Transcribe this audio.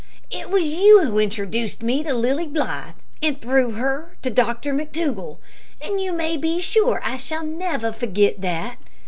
"It was you who introduced me to Lilly Blythe, and through her to Dr McTougall, and you may be sure I shall never forget that!